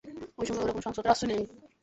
এই সময়ে ওরা কোনো সহিংসতার আশ্রয় নেয় না।